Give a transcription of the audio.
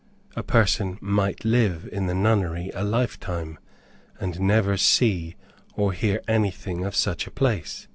A person might live in the nunnery a life time, and never see or hear anything of such a place.